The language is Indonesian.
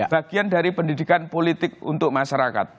bagian dari pendidikan politik untuk masyarakat